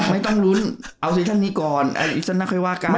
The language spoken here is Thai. ไม่ต้องลุ้นเอาซีซั่นนี้ก่อนน่าค่อยว่าการ